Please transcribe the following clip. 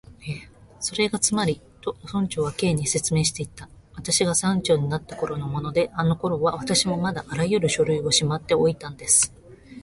「それがつまり」と、村長は Ｋ に説明していった「私が村長になったころのもので、あのころは私もまだあらゆる書類をしまっておいたんです」